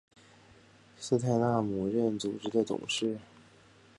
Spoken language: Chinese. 斯泰纳姆任组织的董事。